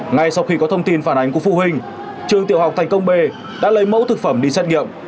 ngay sau khi có thông tin phản ánh của phụ huynh trường tiểu học thành công b đã lấy mẫu thực phẩm đi xét nghiệm